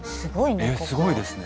えっすごいですね。